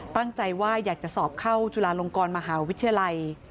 ตั้งใจว่าอยากจะสอบเข้าจุฬาลงกรมหาวิทยาลัย